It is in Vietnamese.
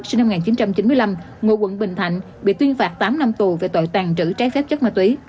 sinh năm một nghìn chín trăm chín mươi năm ngụ quận bình thạnh bị tuyên phạt tám năm tù về tội tàn trữ trái phép chất ma túy